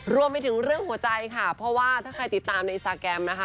รวมไปถึงเรื่องหัวใจค่ะเพราะว่าถ้าใครติดตามในอินสตาแกรมนะคะ